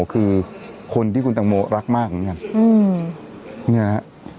คือคนที่คุณธางโมรักมากอย่างนี้